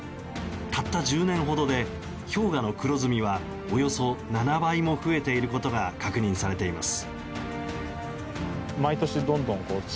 たった１０年ほどで氷河の黒ずみはおよそ７倍も増えていることが確認されています。